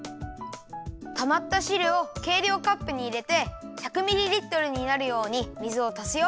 たまったしるをけいりょうカップにいれて１００ミリリットルになるように水をたすよ。